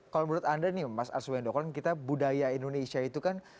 kalau menurut anda nih mas arswendo kan kita budaya indonesia itu kan